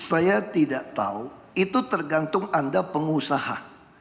saya tidak tahu itu tergantung anda pengusaha